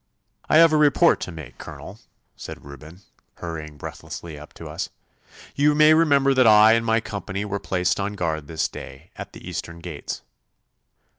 'I have a report to make, Colonel,' said Reuben, hurrying breathlessly up to us. 'You may remember that I and my company were placed on guard this day at the eastern gates?